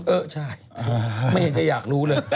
เออใช่ไม่เห็นจะอยากรู้เลย